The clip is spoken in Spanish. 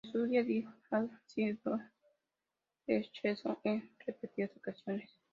El "Suria-siddhanta" ha sido rehecho en repetidas ocasiones.